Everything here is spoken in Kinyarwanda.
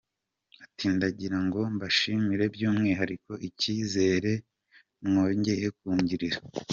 Ati “Ndagira ngo mbashimire by’umwihariko, icyizere mwongeye kungirira.